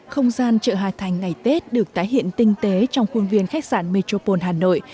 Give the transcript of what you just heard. không gian chợ hà thành ngày tết được tái hiện tinh tế trong khuôn viên khách sạn metropole hà nội